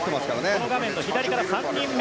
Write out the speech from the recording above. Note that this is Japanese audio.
この画面の左から３人目。